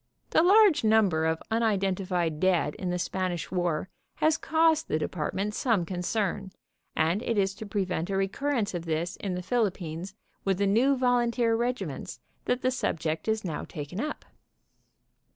"The large number of unidentified dead in the Span ish war has caused the department some concern, and it is to prevent a recurrence of this in the Philippines with the new volunteer regiments that the subject is now taken up."